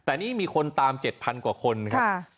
แต่นี่มีคนตาม๗๐๐กว่าคนครับ